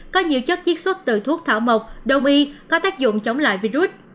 có nhiều chất chiết xuất từ thuốc thảo mộc đông y có tác dụng chống lại virus